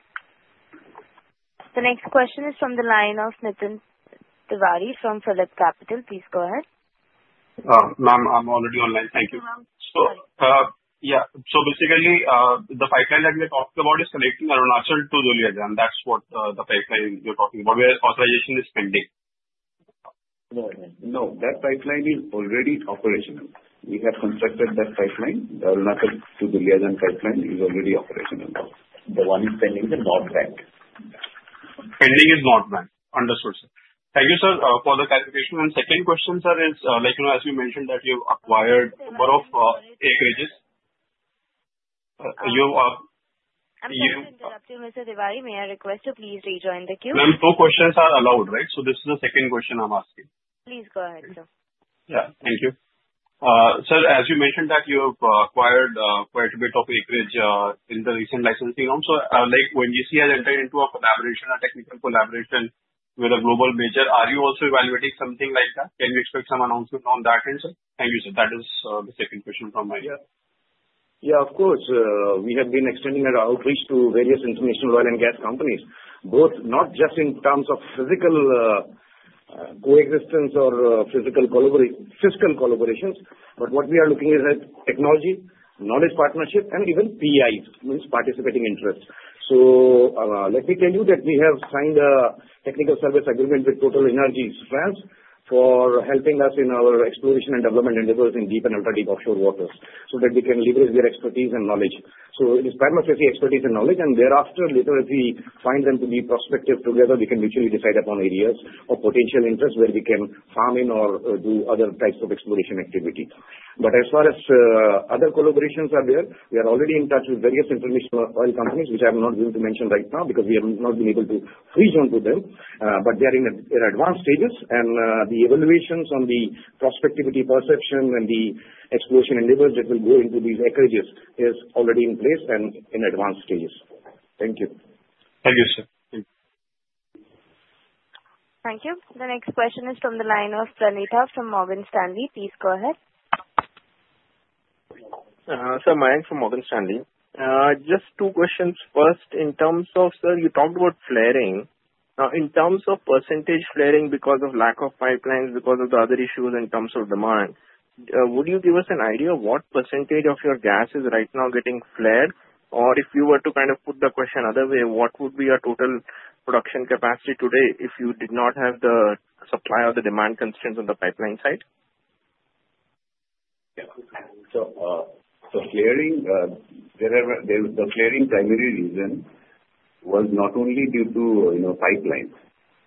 The next question is from the line of Nitin Tiwari from PhillipCapital. Please go ahead. No, I'm already online. Thank you. So yeah. So basically, the pipeline that we are talking about is connecting Arunachal to Duliajan. That's what the pipeline you're talking about where authorization is pending. No, that pipeline is already operational. We have constructed that pipeline. The Arunachal to Duliajan pipeline is already operational. The one is pending in the North Bank. Pending is North Bank. Understood, sir. Thank you, sir, for the clarification. And second question, sir, is as you mentioned that you have acquired a number of acreages. I'm listening to Mr. Nitin Tiwari. May I request to please rejoin the queue? Ma'am, two questions are allowed, right? So this is the second question I'm asking. Please go ahead, sir. Yeah. Thank you. Sir, as you mentioned that you have acquired quite a bit of acreage in the recent licensing round. So when you see us enter into a collaboration, a technical collaboration with a global major, are you also evaluating something like that? Can we expect some announcement on that, sir? Thank you, sir. That is the second question from my end. Yeah. Yeah, of course. We have been extending our outreach to various international oil and gas companies, both not just in terms of physical coexistence or physical collaborations, but what we are looking at is technology, knowledge partnership, and even PIs, means participating interests. So let me tell you that we have signed a technical service agreement with TotalEnergies for helping us in our exploration and development endeavors in deep and ultra-deep offshore waters so that we can leverage their expertise and knowledge. So it is primarily expertise and knowledge, and thereafter, later as we find them to be prospective together, we can mutually decide upon areas of potential interest where we can farm in or do other types of exploration activity. But as far as other collaborations are there, we are already in touch with various international oil companies, which I'm not going to mention right now because we have not been able to freeze onto them. But they are in advanced stages. And the evaluations on the prospectivity perception and the exploration endeavors that will go into these acreages is already in place and in advanced stages. Thank you. Thank you, sir. Thank you. The next question is from the line of Pranita from Morgan Stanley. Please go ahead. Sir, my name is Pranita from Morgan Stanley. Just two questions. First, in terms of, sir, you talked about flaring. In terms of percentage flaring because of lack of pipelines, because of the other issues in terms of demand, would you give us an idea of what percentage of your gas is right now getting flared? Or if you were to kind of put the question other way, what would be your total production capacity today if you did not have the supply or the demand constraints on the pipeline side? Yeah. So, flaring, the flaring primary reason was not only due to pipelines.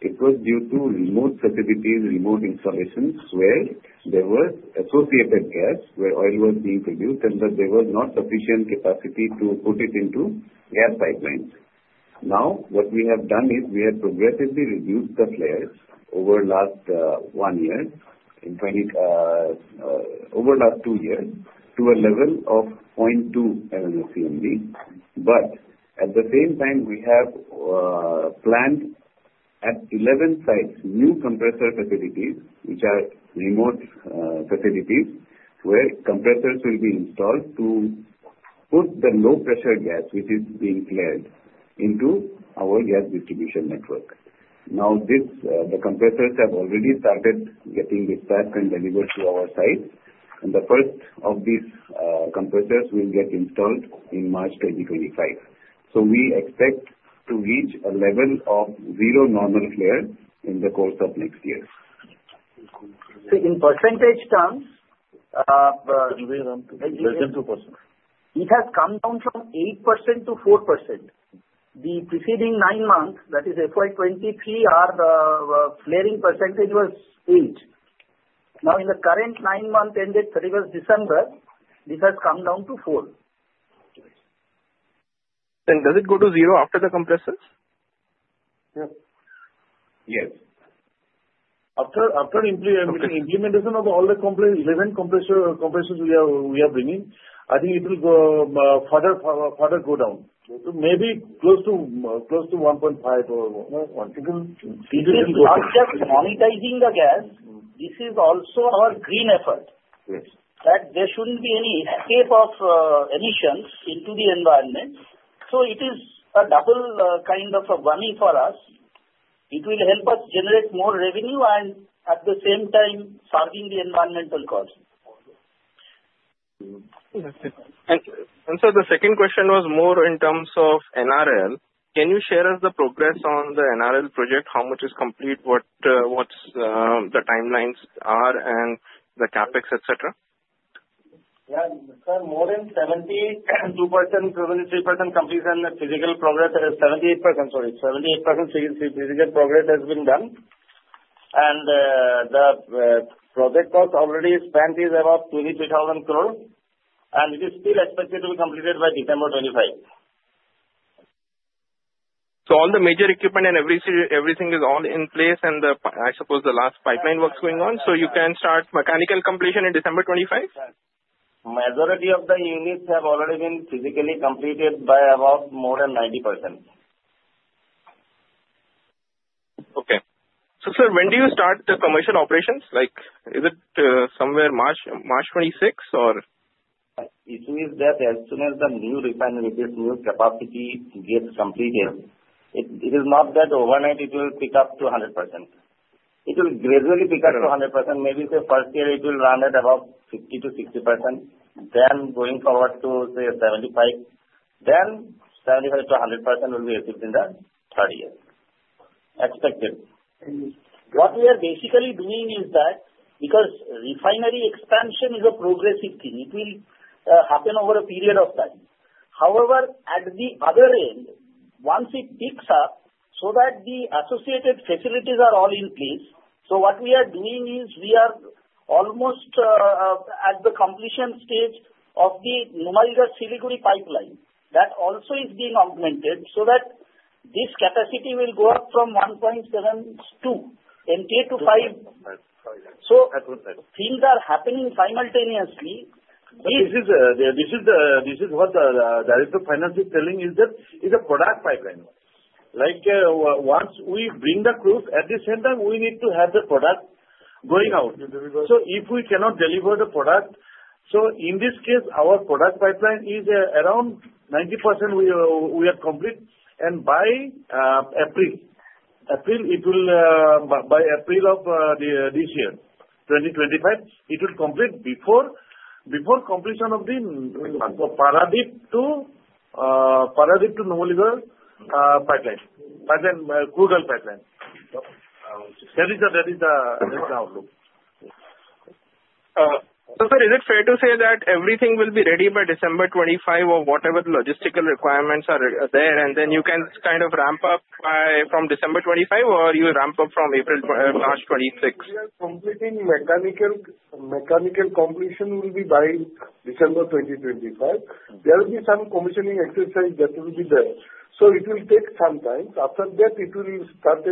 It was due to remote facilities, remote installations where there was associated gas where oil was being produced and that there was not sufficient capacity to put it into gas pipelines. Now, what we have done is we have progressively reduced the flares over the last one year, over the last two years, to a level of 0.2 MMSCMD. But at the same time, we have planned at 11 sites, new compressor facilities, which are remote facilities where compressors will be installed to put the low-pressure gas, which is being flared, into our gas distribution network. Now, the compressors have already started getting dispatched and delivered to our sites. And the first of these compressors will get installed in March 2025. We expect to reach a level of zero normal flare in the course of next year. In percentage terms, less than 2%. It has come down from 8% to 4%. The preceding nine months, that is FY 2023, our flaring percentage was 8%. Now, in the current nine months ended 31st December, this has come down to 4%. Does it go to zero after the compressors? Yes. Yes. After implementation of all the 11 compressors we are bringing, I think it will further go down. Maybe close to 1.5 or 1.3. We are just monetizing the gas. This is also our green effort that there shouldn't be any escape of emissions into the environment. So it is a double kind of a whammy for us. It will help us generate more revenue and at the same time curtail the environmental cost. Sir, the second question was more in terms of NRL. Can you share us the progress on the NRL project? How much is complete? What's the timelines are and the CapEx, etc.? Yeah. Sir, more than 72%-73% complete and the physical progress is 78%. Sorry, 78% physical progress has been done. The project cost already spent is about 23,000 crore. It is still expected to be completed by December 25. So all the major equipment and everything is all in place and I suppose the last pipeline works going on. So you can start mechanical completion in December 2025? Majority of the units have already been physically completed by about more than 90%. Okay. So sir, when do you start the commercial operations? Is it somewhere March 26 or? The issue is that as soon as the new refinery, this new capacity gets completed, it is not that overnight it will pick up to 100%. It will gradually pick up to 100%. Maybe the first year it will run at about 50%-60%, then going forward to say 75, then 75%-100% will be achieved in the third year. Expected. What we are basically doing is that because refinery expansion is a progressive thing. It will happen over a period of time. However, at the other end, once it picks up, so that the associated facilities are all in place. So what we are doing is we are almost at the completion stage of the Numaligarh-Siliguri pipeline. That also is being augmented so that this capacity will go up from 1.7 to 2.5 to 5. So things are happening simultaneously. This is what the Director of Finance is telling is that it's a product pipeline. Once we bring the crude, at the same time, we need to have the product going out. So if we cannot deliver the product, so in this case, our product pipeline is around 90% we are complete. And by April, by April of this year, 2025, it will complete before completion of the Paradip to Numaligarh pipeline, crude oil pipeline. That is the outlook. So sir, is it fair to say that everything will be ready by December 25 or whatever logistical requirements are there and then you can kind of ramp up from December 25 or you ramp up from March 26? Mechanical completion will be by December 2025. There will be some commissioning exercise that will be there. So it will take some time. After that, it will start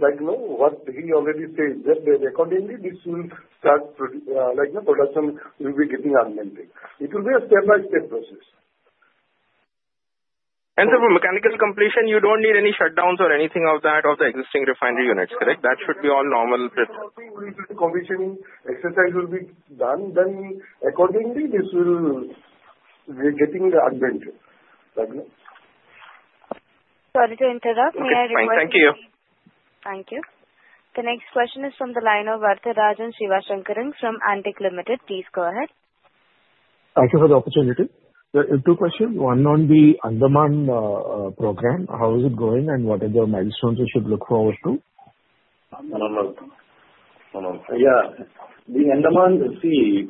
like what he already said, that accordingly, this will start like the production will be getting augmented. It will be a step-by-step process. Sir, for mechanical completion, you don't need any shutdowns or anything of that of the existing refinery units, correct? That should be all normal. Once commissioning exercise will be done, then accordingly, this will be getting augmented. Sorry to interrupt. May I request? Thank you. Thank you. The next question is from the line of Varatharajan Sivasankaran from Antique Stock Broking. Please go ahead. Thank you for the opportunity. Two questions. One on the Andaman program. How is it going and what are the milestones we should look forward to? Yeah. The Andaman, see,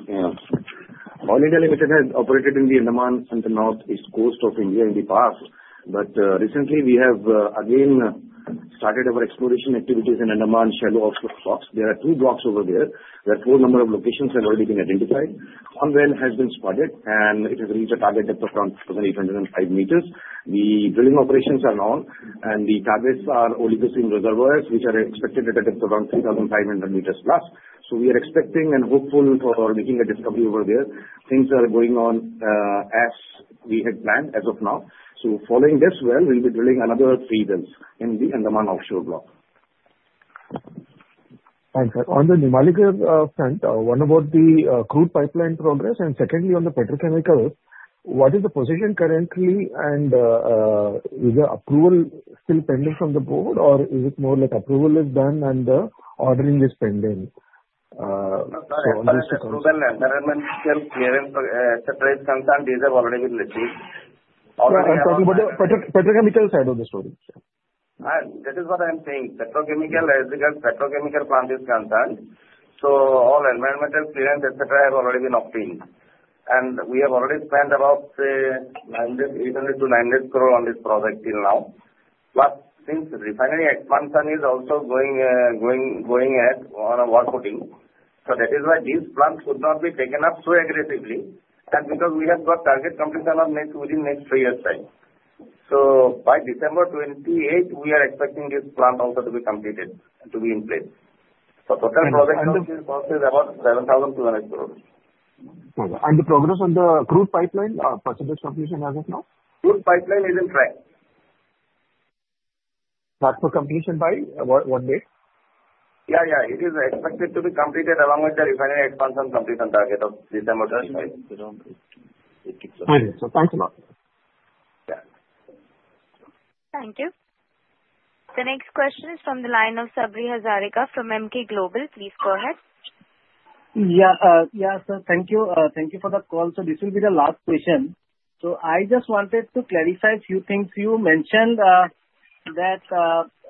Oil India Limited has operated in the Andaman and the Northeast Coast of India in the past. But recently, we have again started our exploration activities in Andaman Shallow Offshore Blocks. There are two blocks over there. There are a full number of locations that have already been identified. One of them has been spudded and it has reached a target depth of around 2,805 meters. The drilling operations are on and the targets are Oligocene reservoirs which are expected at a depth of around 3,500 meters plus. So we are expecting and hopeful for making a discovery over there. Things are going on as we had planned as of now. So following this well, we'll be drilling another three wells in the Andaman Offshore Block. Thank you. On the Numaligarh front, one about the crude pipeline progress and secondly, on the petrochemicals, what is the position currently and is the approval still pending from the board or is it more like approval is done and the ordering is pending? So far as this approval, environmental clearance, etc., is concerned. These have already been received. I'm talking about the petrochemical side of the story. That is what I am saying. As far as the petrochemical plant is concerned, all environmental clearance, etc., have already been obtained. And we have already spent about Rs 800-900 crore on this project till now. Plus, since refinery expansion is also going ahead on a parallel footing, that is why these plants could not be taken up so aggressively and because we have got target completion within the next three years' time. By December 2028, we are expecting this plant also to be completed and to be in place. Total project cost is about Rs 7,200 crore. The progress on the crude pipeline or percentage completion as of now? Crude pipeline is on track. But for completion by what date? Yeah, yeah. It is expected to be completed along with the refinery expansion completion target of December 25. Thank you a lot. Thank you. The next question is from the line of Sabri Hazarika from Emkay Global. Please go ahead. Yeah. Yeah, sir. Thank you. Thank you for the call. So this will be the last question. So I just wanted to clarify a few things. You mentioned that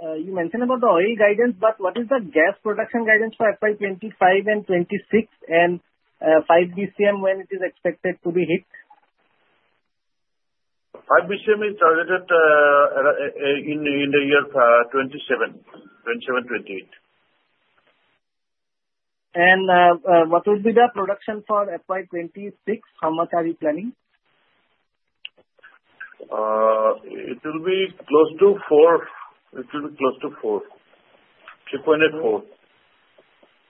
you mentioned about the oil guidance, but what is the gas production guidance for FY 2025 and 2026 and 5 BCM when it is expected to be hit? BCM is targeted in the year 2027-28. And what will be the production for FY26? How much are you planning? It will be close to four. It will be close to four, 3.84.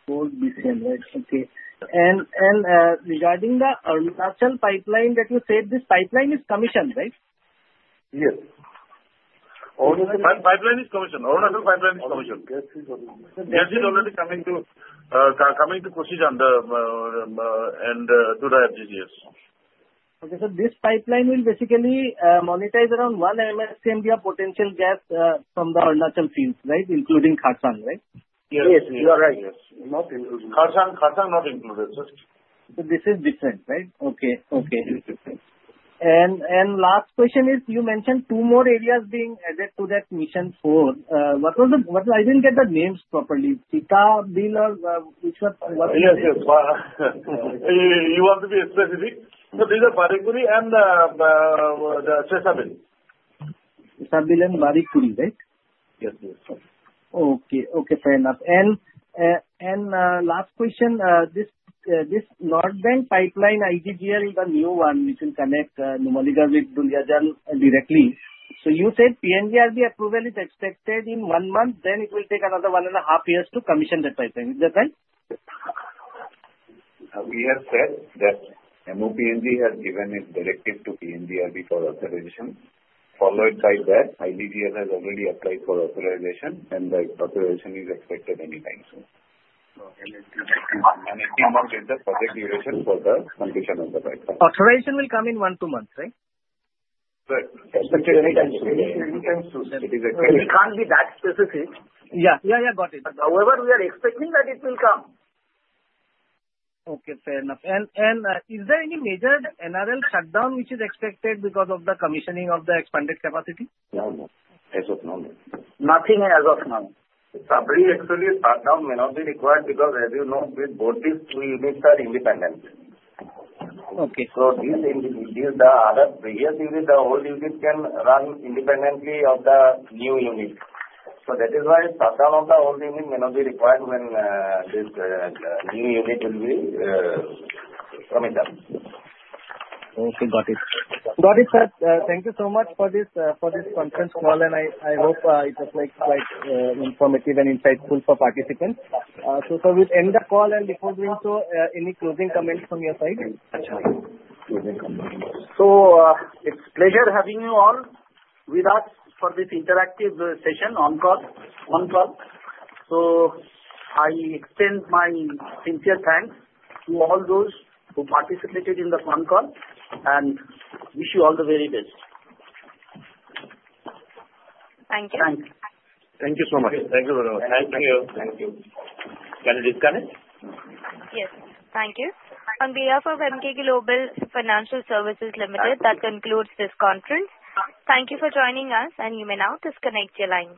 BCM, right? Okay. And regarding the Arunachal pipeline that you said, this pipeline is commissioned, right? Yes. Pipeline is commissioned. Arunachal pipeline is commissioned. Gas is already coming to Kusajan and to the FGGS. Okay. So this pipeline will basically monetize around 1 MMSCMD of potential gas from the Arunachal fields, right? Including Kharsang, right? Yes. You are right. Kharsang not included. Kharsang not included. So this is different, right? Okay. Okay. And last question is you mentioned two more areas being added to that mission four. I didn't get the names properly. Sessabil or which one? Yes, yes. You want to be specific. So these are Barekuri and Sessabil. Sessabil and Barekuri, right? Yes. Okay. Okay. Fair enough. And last question, this North Bank pipeline IGGL is a new one which will connect Numaligarh with Duliajan directly. So you said PNGRB approval is expected in one month, then it will take another one and a half years to commission that pipeline. Is that right? We have said that MOPNG has given its directive to PNGRB for authorization. Followed by that, IGGL has already applied for authorization and the authorization is expected anytime soon, and it will be the project duration for the completion of the pipeline. Authorization will come in one or two months, right? Right. It is expected anytime soon. It can't be that specific. Yeah. Yeah. Yeah. Got it. However, we are expecting that it will come. Okay. Fair enough. And is there any major NRL shutdown which is expected because of the commissioning of the expanded capacity? No. As of now, no. Nothing as of now. Actually, shutdown may not be required because, as you know, both these two units are independent. So these are the previous unit. The old unit can run independently of the new unit. So that is why shutdown of the old unit may not be required when this new unit will be commissioned. Okay. Got it. Got it, sir. Thank you so much for this conference call and I hope it was quite informative and insightful for participants. So we'll end the call and before doing so, any closing comments from your side? So it's a pleasure having you all with us for this interactive session on call. So I extend my sincere thanks to all those who participated in the phone call and wish you all the very best. Thank you. Thank you so much. Thank you very much. Thank you. Thank you. Can you disconnect? Yes. Thank you. On behalf of Emkay Global Financial Services Limited, that concludes this conference. Thank you for joining us and you may now disconnect your line.